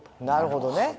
なるほどね。